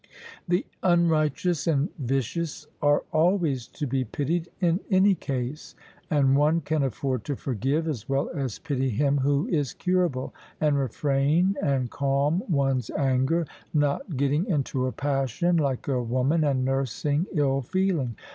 The unrighteous and vicious are always to be pitied in any case; and one can afford to forgive as well as pity him who is curable, and refrain and calm one's anger, not getting into a passion, like a woman, and nursing ill feeling.